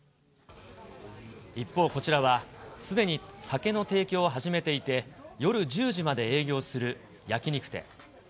一方、こちらは、すでに酒の提供を始めていて、夜１０時まで営業する焼き肉店。